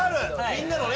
みんなのね。